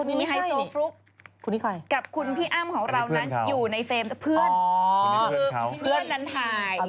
มีไฮโซฟลุกกับคุณพี่อ้ำของเรานั้นอยู่ในเฟรมเพื่อนนั้นถ่าย